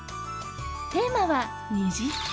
テーマは「虹」。